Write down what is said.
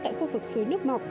tại khu vực suối nước mọc